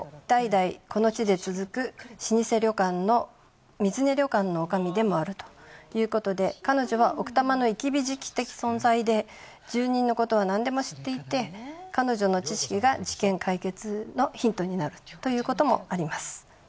代々この地で続く老舗旅館の水根旅館の女将でもあるということで彼女は奥多摩の生き字引的存在で住人のことは何でも知っていて彼女の知識が事件解決のヒントになるということもあります。